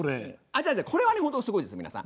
じゃあこれは本当にすごいです皆さん。